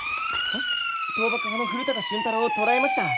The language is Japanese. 倒幕派の古高俊太郎を捕らえました。